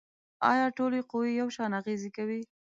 آیا ټولې قوې یو شان اغیزې کوي؟